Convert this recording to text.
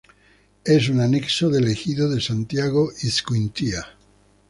Es un anexo del Ejido de Santiago Ixcuintla.